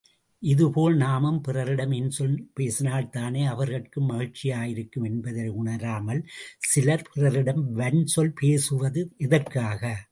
இதுபோல் நாமும் பிறரிடம் இன்சொல் பேசினால்தானே அவர்கட்கும் மகிழ்ச்சியாயிருக்கும் என்பதை உணராமல், சிலர் பிறரிடம் வன்சொல் பேசுவது எதற்காக?